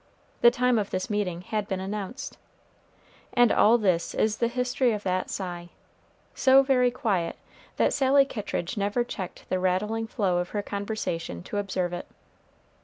The time of this meeting had been announced. And all this is the history of that sigh, so very quiet that Sally Kittridge never checked the rattling flow of her conversation to observe it.